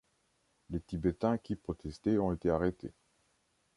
Les Tibétains qui protestaient ont été arrêtés.